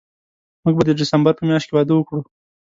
موږ به د ډسمبر په میاشت کې واده وکړو